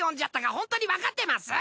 ホントにわかってます？